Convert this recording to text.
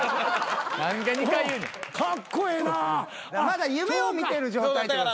まだ夢を見てる状態。